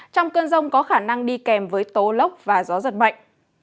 trong cơn rông có khả năng đi kèm với tố lốc và gió giật mạnh